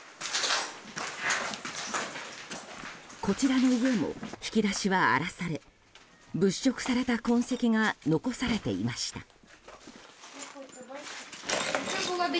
こちらの家も引き出しは荒らされ物色された痕跡が残されていました。